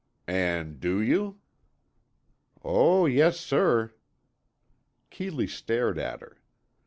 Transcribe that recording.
"And do you?" "Oh, yes, sir." Keeley stared at her.